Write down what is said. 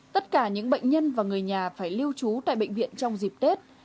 tất cả những bệnh nhân và người nhà phải lưu trú tại bệnh viện trong dịp tết